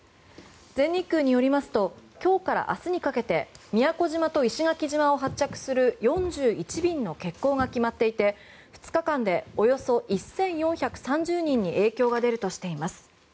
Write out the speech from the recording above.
全日空によりますと今日から明日にかけて宮古島と石垣島を発着する４１便の欠航が決まっていて２日間でおよそ１４３０人に影響が出るとしています。